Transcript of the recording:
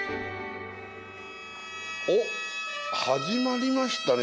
おっ始まりましたね